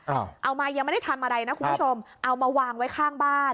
เอาเอามายังไม่ได้ทำอะไรนะคุณผู้ชมเอามาวางไว้ข้างบ้าน